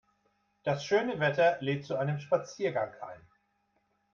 Das schöne Wetter lädt zu einem Spaziergang ein.